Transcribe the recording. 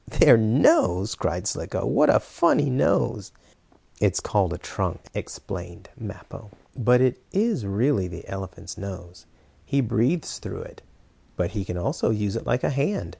"Their nose!" cried Slicko. "What a funny nose!" "It is called a trunk," explained Mappo. "But it is really the elephant's nose. He breathes through it, but he can also use it like a hand.